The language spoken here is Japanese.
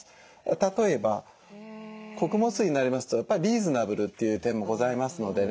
例えば穀物酢になりますとやっぱりリーズナブルという点もございますのでね